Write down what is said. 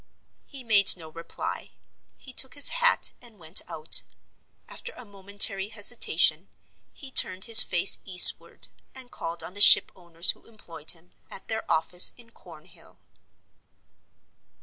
He made no reply; he took his hat and went out. After a momentary hesitation, he turned his face eastward, and called on the ship owners who employed him, at their office in Cornhill.